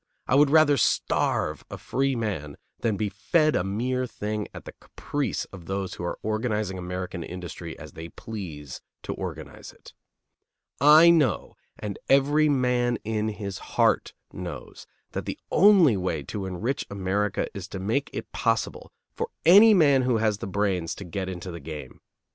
I would rather starve a free man than be fed a mere thing at the caprice of those who are organizing American industry as they please to organize it. I know, and every man in his heart knows, that the only way to enrich America is to make it possible for any man who has the brains to get into the game.